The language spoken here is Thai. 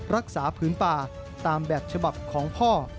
รักษาพื้นป่าตามแบบฉบับของพ่อ